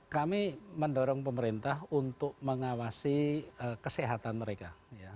kami mendorong pemerintah untuk mengawasi kesehatan mereka